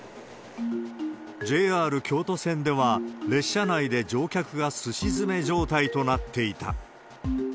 ＪＲ京都線では、列車内で乗客がすし詰め状態となっていた。